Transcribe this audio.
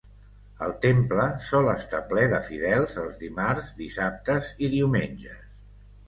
El temple sol estar ple de fidels els dimarts, dissabtes i diumenges.